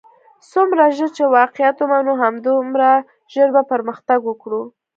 څومره ژر چې واقعیت ومنو همدومره ژر بۀ پرمختګ وکړو.